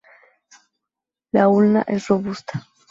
La ulna es robusta.